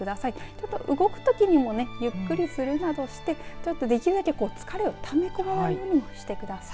ただ動くときにもゆっくりするなどしてちょっとできるだけ疲れをため込まないようにしてください。